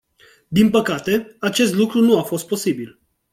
Din păcate, acest lucru nu a fost posibil.